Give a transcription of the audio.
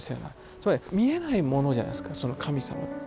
つまり見えないものじゃないすか神様って。